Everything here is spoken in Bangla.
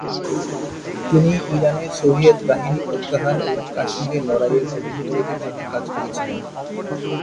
তিনি ইরানে সোভিয়েত বাহিনী প্রত্যাহার এবং কাশ্মীরে লড়াইয়ের যুদ্ধবিরতির জন্য কাজ করেছিলেন।